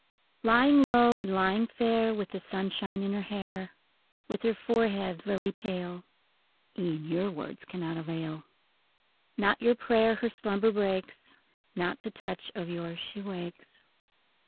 YING low and lying fair, With the sunshine in her hair, With her forehead lily pale (E'en your words cannot avail) — Not your prayer her slumber breaks ; Not to touch of yours she wakes.